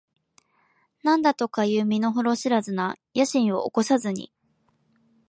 何だとかいう身の程知らずな野心を起こさずに、